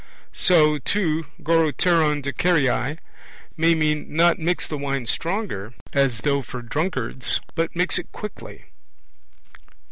So, too, goroteron de keraie may mean not 'mix the wine stronger', as though for topers, but 'mix it quicker'.